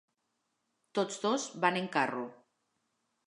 Tots dos van en carro.